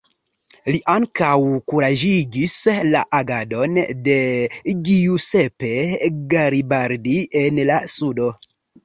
Li ankaŭ kuraĝigis la agadon de Giuseppe Garibaldi en la sudo.